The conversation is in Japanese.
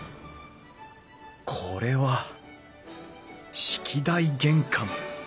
これは式台玄関。